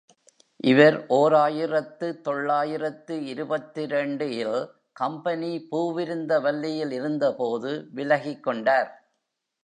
இவர் ஓர் ஆயிரத்து தொள்ளாயிரத்து இருபத்திரண்டு இல் கம்பெனி பூவிருந்தவல்லியில் இருந்தபோது விலகிக்கொண்டார்.